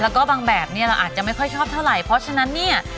แล้วก็บางแบบเนี่ยเราอาจจะไม่ค่อยชอบเท่าไหร่เพราะฉะนั้นเนี่ย